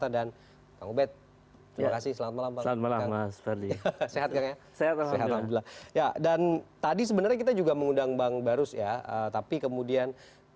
dan tadi sebenarnya kita juga mengundang bang barus ya tapi kemudian